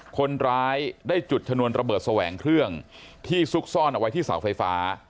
คนร้ายได้จุดชนวนระเบิดแสวงเครื่องที่ซุกซ่อนเอาไว้ที่เสาไฟฟ้า